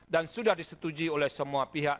dan sudah disetujui oleh semua pihak